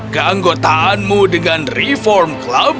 keanggotaanmu dengan reform klub